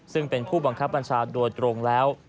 ซึ่งเป็นผู้บังคับบัญชาโดยตรงแล้ว